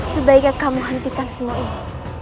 sebaiknya kamu hentikan semua ini